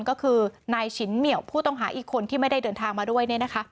ก็คือนายฉินเหมียวผู้ต้องหาอีกคนที่ไม่ได้เดินทางมาด้วย